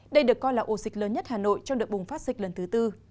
đây được coi là ổ dịch lớn nhất hà nội trong đợt bùng phát dịch lần thứ tư